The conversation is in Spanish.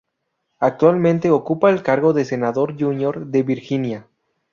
Actualmente ocupa el cargo de senador júnior de Virginia.